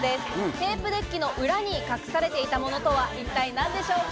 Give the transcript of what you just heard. テープデッキの裏に隠されていたものとは一体何でしょうか？